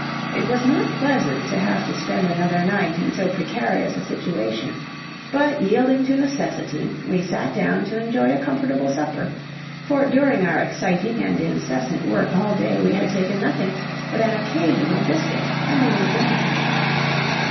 It was not pleasant to have to spend another night in so precarious a situation; but yielding to necessity, we sat down to enjoy a comfortable supper, for during our exciting and incessant work all day we had taken nothing but an occasional biscuit and a little wine.